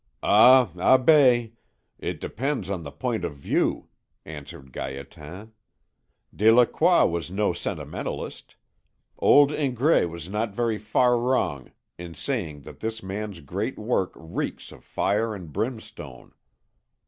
"Ah, Abbé! it depends on the point of view," answered Gaétan. "Delacroix was no sentimentalist. Old Ingres was not very far wrong in saying that this great man's work reeks of fire and brimstone.